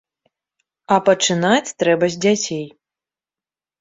А пачынаць трэба з дзяцей.